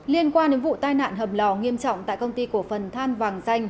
liên quan đến vụ tai nạn hầm lò nghiêm trọng tại công ty cổ phần than vàng danh